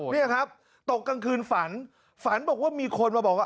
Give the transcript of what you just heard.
นี่ครับตกกลางคืนฝันฝันบอกว่ามีคนมาบอกว่า